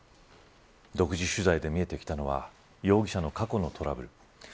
独自取材で見えてきたのは容疑者の過去のトラブル。